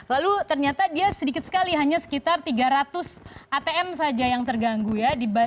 lalu ternyata dia sedikit sekali hanya sekitar tiga ratus atm saja yang terganggu ya